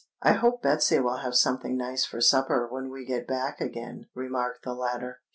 "I hope Betsy will have something nice for supper when we get back again," remarked the latter.